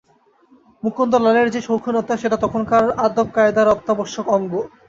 মুকুন্দলালের যে শৌখিনতা সেটা তখনকার আদবকায়দার অত্যাবশ্যক অঙ্গ।